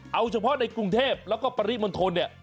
เอาเฉพาะในกรุงเทพแล้วก็ปริมณฑลเนี่ย